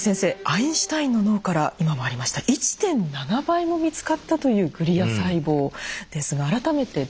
アインシュタインの脳から今もありました１．７倍も見つかったというグリア細胞ですが改めてどういったものなんでしょうか？